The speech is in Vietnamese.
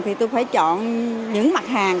thì tôi phải chọn những mặt hàng